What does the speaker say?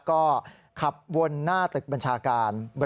ก็ขับวนหน้าตึกบัญชาการ